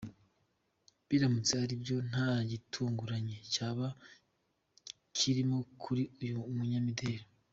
Biramutse ari byo nta gitunguranye cyaba kirimo kuri uyu munyamideli.